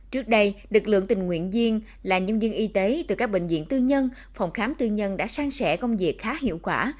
trước đây lực lượng tình nguyện viên là nhân viên y tế từ các bệnh viện tư nhân phòng khám tư nhân đã sang sẻ công việc khá hiệu quả